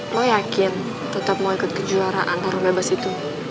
lo yakin tetap mau ikut kejuaraan taruh bebas itu